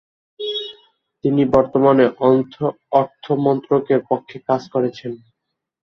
তিনি বর্তমানে অর্থ মন্ত্রকের পক্ষে কাজ করছেন।